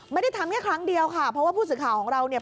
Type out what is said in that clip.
ไม่ได้ทำแค่ครั้งเดียวค่ะเพราะว่าผู้สื่อข่าวของเราเนี่ย